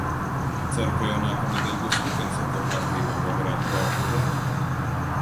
Ceru, ka jau nākamnedēļ būs ritenis atkal kārtībā, lai varētu braukt uz darbu.